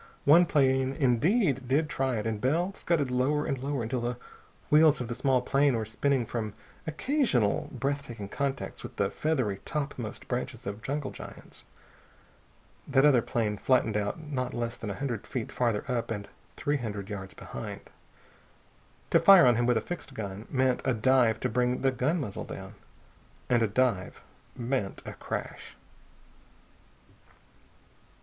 One plane, indeed, did try it, and Bell scudded lower and lower until the wheels of the small plane were spinning from occasional, breath taking contacts with the feathery topmost branches of jungle giants. That other plane flattened out not less than a hundred feet farther up and three hundred yards behind. To fire on him with a fixed gun meant a dive to bring the gun muzzle down. And a dive meant a crash.